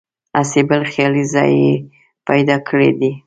هسې بل خیالي ځای یې پیدا کړی دی.